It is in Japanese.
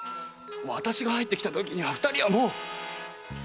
私が入ってきたときには二人はもう！